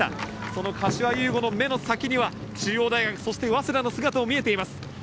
その柏優吾の目の先には中央大学そして早稲田の姿も見えています。